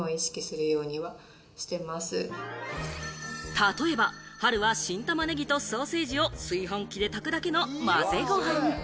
例えば、春は新玉ねぎとソーセージを炊飯器で炊くだけの混ぜご飯。